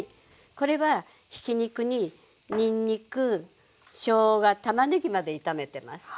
これはひき肉ににんにくしょうがたまねぎまで炒めてます。